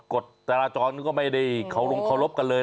กฎจราจรก็ไม่ได้เคารพกันเลย